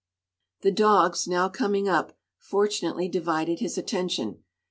The dogs, now coming up, fortunately divided his attention.